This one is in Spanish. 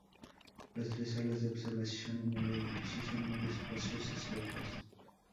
Las tres salas de observación en el edificio son muy espaciosas y altas.